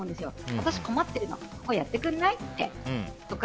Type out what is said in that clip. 私、困ってるのやってくれない？とか。